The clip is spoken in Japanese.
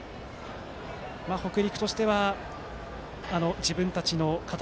北陸としては、自分たちの形。